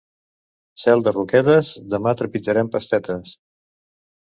Cel de roquetes, demà trepitjarem pastetes.